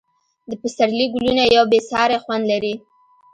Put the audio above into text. د پسرلي ګلونه یو بې ساری خوند لري.